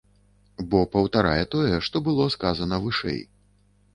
Бо паўтарае тое, што было сказана вышэй.